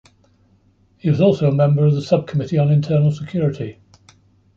He was also a member of the Subcommittee on Internal Security.